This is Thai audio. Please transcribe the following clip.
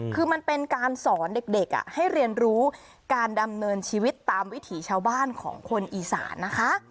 คือมันเป็นการสอนเด็กให้เรียนรู้การดำเนินชีวิตตามวิถีชาวบ้านของคนอีสานนะคะ